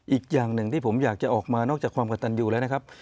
อีกอย่างหนึ่งที่ผมอยากจะออกมานอกจากความกระตันอยู่แล้วนะครับ